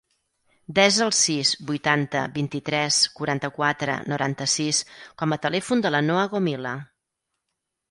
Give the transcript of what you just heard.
Desa el sis, vuitanta, vint-i-tres, quaranta-quatre, noranta-sis com a telèfon de la Noa Gomila.